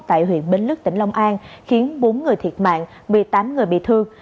tại huyện bến lức tỉnh long an khiến bốn người thiệt mạng một mươi tám người bị thương